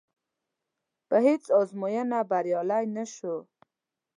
په هېڅ ازموینه بریالی نه شو.